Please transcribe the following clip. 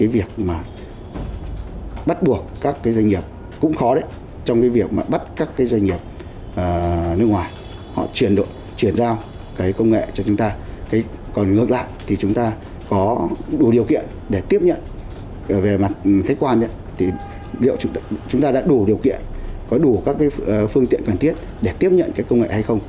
về mặt khách quan chúng ta đã đủ điều kiện có đủ các phương tiện cần thiết để tiếp nhận công nghệ hay không